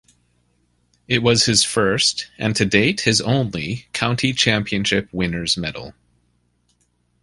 It was his first, and to date his only, county championship winners' medal.